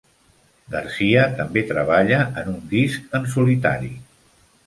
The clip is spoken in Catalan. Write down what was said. Garcia també treballa en un disc en solitari.